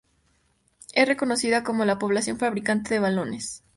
Es reconocida como la población fabricante de balones.